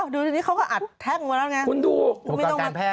ดูนี่เขาก็อัดแท็กเมื่อแล้วไง